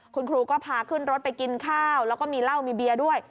คุณครูก็พาขึ้นรถไปกินข้าวแล้วก็มีเหล้ามีเบียร์ด้วย